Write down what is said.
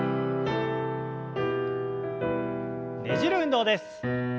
ねじる運動です。